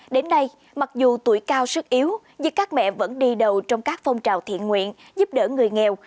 đến nay mặc dù tuổi cao sức yếu nhưng các mẹ vẫn đi đầu trong các phong trào thiện nguyện giúp đỡ người nghèo